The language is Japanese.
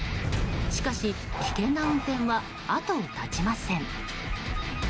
しかし、危険な運転は後を絶ちません。